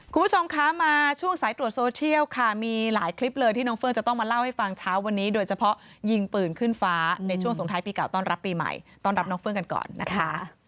คุณผู้ชมคะมาช่วงสายตรวจโซเชียลค่ะมีหลายคลิปเลยที่น้องเฟื้องจะต้องมาเล่าให้ฟังเช้าวันนี้โดยเฉพาะยิงปืนขึ้นฟ้าในช่วงสงท้ายปีเก่าต้อนรับปีใหม่ต้อนรับน้องเฟื้องกันก่อนนะคะ